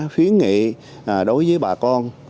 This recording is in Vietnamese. phiến nghị đối với bà con